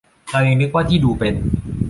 เรายังนึกว่าที่ดูเป็น